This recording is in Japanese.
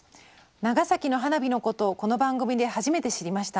「長崎の花火のことをこの番組で初めて知りました。